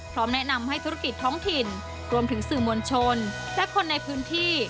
แนะนำให้ธุรกิจท้องถิ่นรวมถึงสื่อมวลชนและคนในพื้นที่